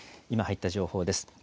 今入った情報です。